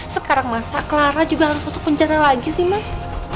sekarang masak clara juga harus masuk penjara lagi sih mas